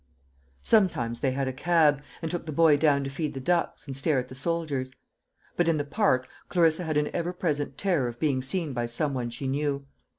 Sometimes they had a cab, and took the boy down to feed the ducks and stare at the soldiers. But in the Park Clarissa had an ever present terror of being seen by some one she knew.